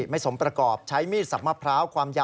วิ่งไปเลย